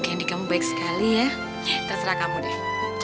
candi kamu baik sekali ya terserah kamu deh